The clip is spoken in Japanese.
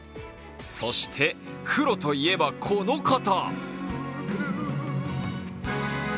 そして、黒といえば、この方。